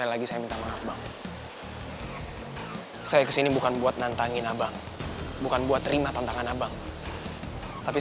ini saatnya kita beraksi